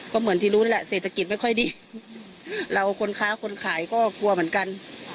ก็เหมือนที่รู้นั่นแหละเศรษฐกิจไม่ค่อยดีเราคนค้าคนขายก็กลัวเหมือนกัน